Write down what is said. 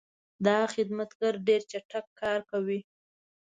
دا خدمتګر ډېر چټک کار کوي.